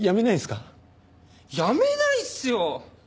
辞めないっすよ！